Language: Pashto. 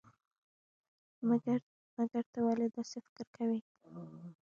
مګر ته ولې داسې فکر کوئ؟